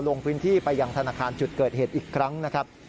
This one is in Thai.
ลงพื้นที่ไปยังธนาคารจุดเกิดเหตุอีกครั้งนะครับ